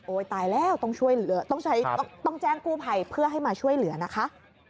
โอ๊ยตายแล้วต้องแจ้งกูภัยเพื่อให้ช่วยเหลือนะคะ